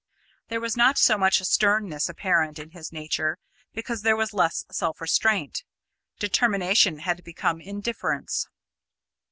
There was not so much sternness apparent in his nature, because there was less self restraint. Determination had become indifference.